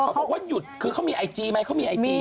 เขาบอกว่าหยุดคือเขามีไอจีมั้ยมี